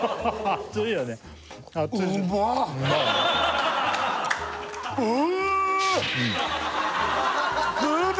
熱いよねう！